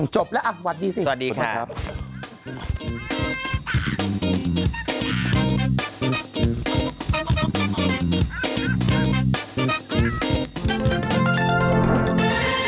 จบแล้วอ่ะวัดดีสิสวัสดีครับสวัสดีครับ